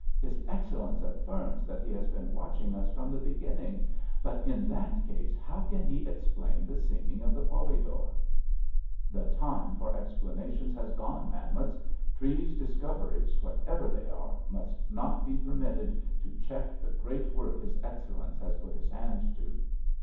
His Excellenz affirms that he has been watching us from the beginning, but in that case how can he explain the sinking of the Polidor?" "The time for explanations has gone, Manwitz. Treves's discoveries, whatever they are, must not be permitted to check the great work his Excellenz has put his hand to."